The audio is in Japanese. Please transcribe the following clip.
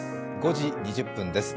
５時２０分です。